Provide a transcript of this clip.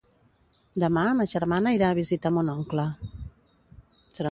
Demà ma germana irà a visitar mon oncle.